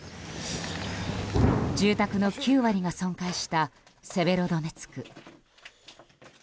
住宅の９割が損壊したセベロドネツク。